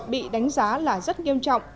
bị đánh giá là rất nghiêm trọng